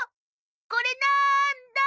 これなんだ？